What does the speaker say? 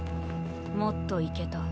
もっといけた。